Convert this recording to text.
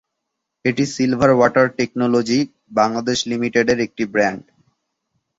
এটি silver water technology Bangladesh লিমিটেডের একটি ব্র্যান্ড।